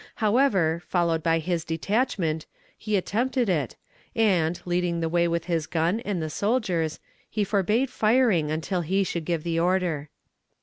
However, followed by his detachment, he attempted it, and, leading the way with his gun and the soldiers, he forbade firing until he should give the order.